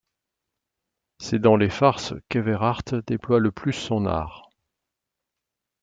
C'est dans les farces qu'Everaert déploie le plus son art.